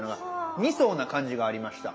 ２層な感じがありました。